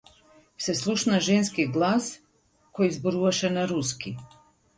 Се слушна женски глас кој зборуваше на руски.